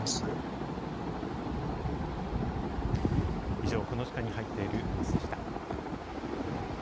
以上、この時間に入っているニュースでした。